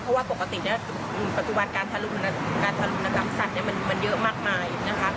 เพราะว่าปกติปัจจุบันการทะลุละกลับสัตว์มันเยอะมากมาย